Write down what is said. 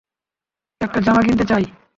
একটা জামা কিনতে চাই।